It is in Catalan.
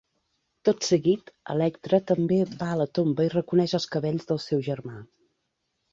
Tot seguit, Electra també va a la tomba i reconeix els cabells del seu germà.